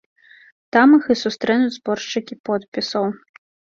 Там іх і сустрэнуць зборшчыкі подпісаў.